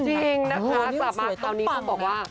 จริงนะคะกลับมาตอนนี้ต้องบอกว่า